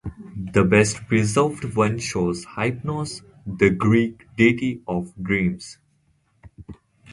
The best preserved one shows Hypnos, the Greek deity of dreams.